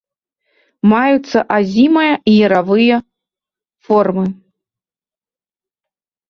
Маюцца азімая і яравыя формы.